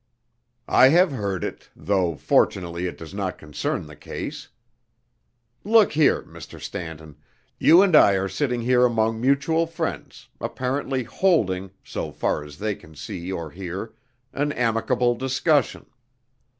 "I have heard it, though fortunately it does not concern the case. Look here, Mr. Stanton, you and I are sitting here among mutual friends, apparently holding, so far as they can see or hear, an amicable discussion.